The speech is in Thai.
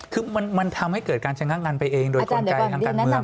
คือมันทำให้เกิดการชะงักงานไปเองโดยกลไกทางการเมือง